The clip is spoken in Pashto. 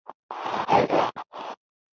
د سفر نه مخکې د روغتیا بیمه وکړه.